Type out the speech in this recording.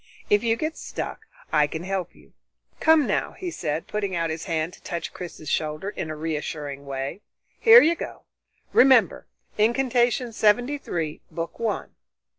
If you get stuck I can help you. Come now," he said, putting out his hand to touch Chris's shoulder in a reassuring way, "here you go. Remember Incantation Seventy three, Book One."